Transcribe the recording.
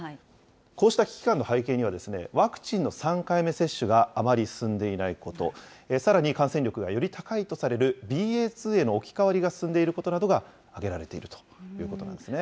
こうした危機感の背景には、ワクチンの３回目接種があまり進んでいないこと、さらに感染力がより高いとされるＢＡ．２への置き換わりが進んでいることなどが挙げられているということなんですね。